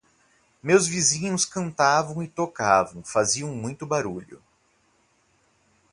Meus vizinhos cantavam e tocavam, faziam muito barulho.